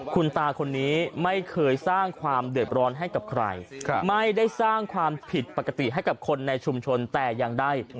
คุณตาคนนี้ไม่เคยสร้างความเดือดร้อนให้กับใครไม่ได้สร้างความผิดปกติให้กับคนในชุมชนแต่อย่างใด